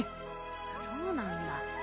そうなんだ。